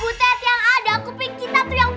eh butet yang ada aku pikir kita tuh yang pengang